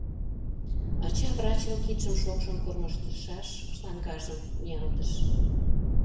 Ача врачын кидшым шокшын кормыжтышаш саҥгажым ниялтыш.